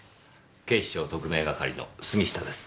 警視庁特命係の杉下です。